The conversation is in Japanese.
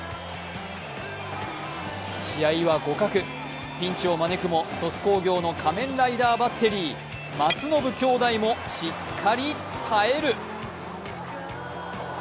試合は互角、ピンチを招くも鳥栖工業の仮面ライダーバッテリー、松延兄弟もしっかり耐える。